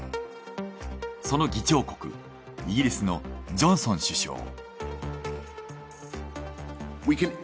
その議長国イギリスのジョンソン首相。